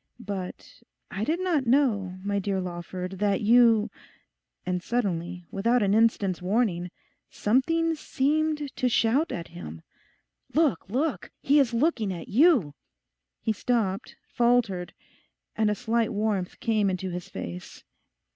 But I did not know, my dear Lawford, that you—' and suddenly, without an instant's warning, something seemed to shout at him, 'Look, look! He is looking at you!' He stopped, faltered, and a slight warmth came into his face.